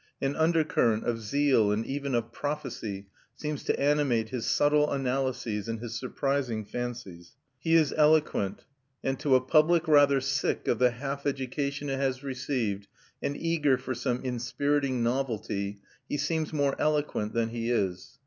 An undercurrent of zeal and even of prophecy seems to animate his subtle analyses and his surprising fancies. He is eloquent, and to a public rather sick of the half education it has received and eager for some inspiriting novelty he seems more eloquent than he is.